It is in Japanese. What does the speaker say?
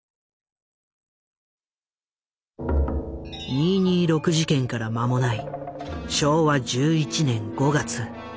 「二・二六事件」から間もない昭和１１年５月。